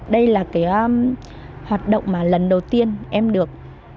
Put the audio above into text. đây là cái hoạt động mà lần đầu tiên em được